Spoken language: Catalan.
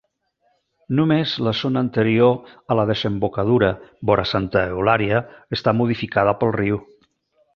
Només la zona anterior a la desembocadura, vora Santa Eulària, està modificada pel riu.